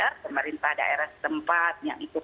pemerintah daerah setempat